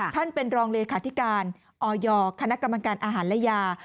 ท่านเป็นรองเลขาธิการออยคณะกรรมการอาหารและยา